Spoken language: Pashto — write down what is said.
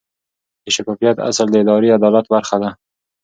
د شفافیت اصل د اداري عدالت برخه ده.